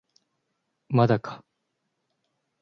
まだか